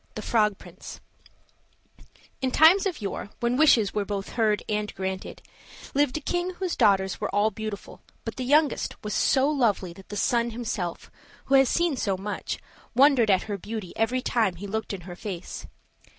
THE FROG PRINCE IN times of yore, when wishes were both heard and granted, lived a king whose daughters were all beautiful but the youngest was so lovely that the sun himself, who has seen so much, wondered at her beauty every time he looked in her face.